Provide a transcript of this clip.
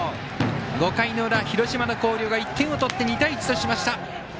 ５回の裏、広島の広陵が１点を取って２対１としました。